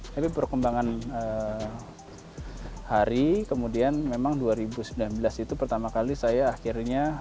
tapi perkembangan hari kemudian memang dua ribu sembilan belas itu pertama kali saya akhirnya